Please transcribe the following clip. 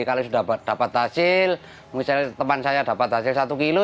kalau sudah dapat hasil misalnya teman saya dapat hasil satu kilo